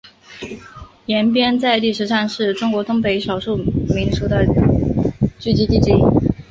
延边在历史上是中国东北少数民族的聚居地之一。